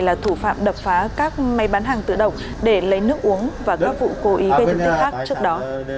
là thủ phạm đập phá các máy bán hàng tựa đồng để lấy nước uống và các vụ cố ý bê thịt khác trước đó